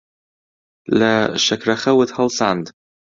لە شەکرەخەوت هەڵساند.